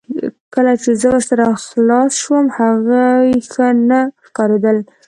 کله چې زه ورسره خلاص شوم هغوی ښه نه ښکاریدل